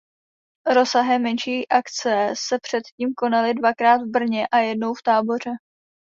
Rozsahem menší akce se předtím konaly dvakrát v Brně a jednou v Táboře.